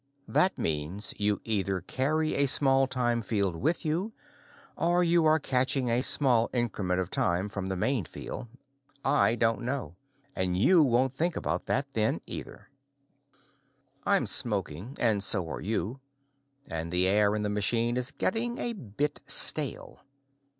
That means you either carry a small time field with you, or you are catching a small increment of time from the main field. I don't know, and you won't think about that then, either. I'm smoking, and so are you, and the air in the machine is getting a bit stale.